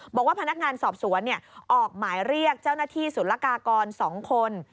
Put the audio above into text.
บอกว่าพนักงานสอบสวนออกหมายเรียกเจ้าหน้าที่ศูนย์ละกากร๒คน